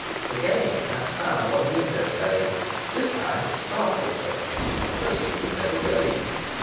Again that sound on the window pane. This time it startled her. There seemed to be no rain.